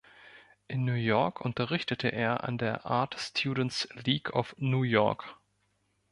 In New York unterrichtete er an der Art Students League of New York.